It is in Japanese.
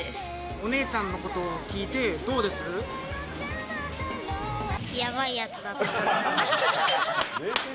お姉ちゃんのこと聞いて、やばいやつだと思う。